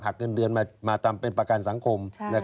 เงินเดือนมาทำเป็นประกันสังคม